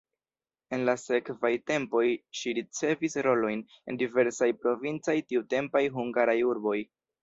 En la sekvaj tempoj ŝi ricevis rolojn en diversaj provincaj tiutempaj hungaraj urboj.